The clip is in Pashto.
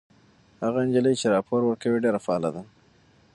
هغه نجلۍ چې راپور ورکوي ډېره فعاله ده.